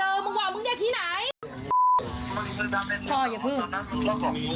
เบอร์คลัยมึงโทรมาพูดว่ามึงพูดจ๋าอย่างนี้